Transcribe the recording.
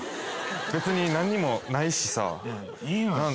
別になんにもないしさ。